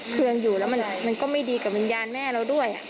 เครื่องอยู่แล้วมันก็ไม่ดีกับวิญญาณแม่เราด้วย